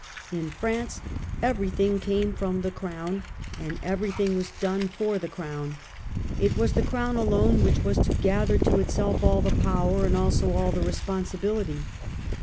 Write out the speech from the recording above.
In France everything came from the Crown, and everything was done for the Crown : it was the Crown alone which was to gather to itself all the power and also all the responsibility.